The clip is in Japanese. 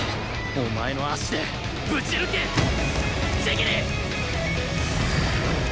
お前の足でぶち抜け千切！